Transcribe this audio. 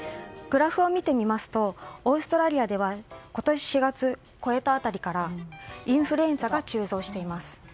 グラフを見てみますとオーストラリアでは今年４月を超えた辺りからインフルエンザが急増しています。